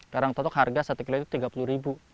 kerang totok harga satu kilo itu tiga puluh ribu